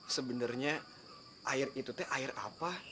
sebenarnya air itu teh air apa